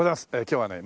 今日はね